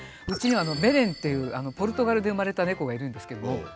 うちにはベレンっていうポルトガルで生まれた猫がいるんですけども。